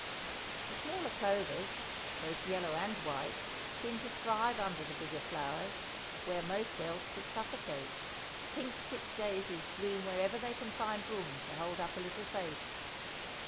The smaller clovers, both yellow and white, seem to thrive under the bigger flowers, where most else would suffocate. Pink tipped daisies bloom wherever they can find room to hold up a little face.